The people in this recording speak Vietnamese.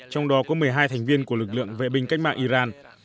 trong đó có một mươi hai thành viên của lực lượng vệ binh cách mạng iran